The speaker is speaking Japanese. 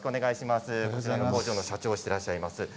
こちらの工場の社長をしていらっしゃいます。